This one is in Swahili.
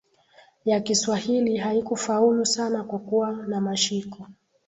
ya Kiswahili haikufaulu sana kuwa na mashiko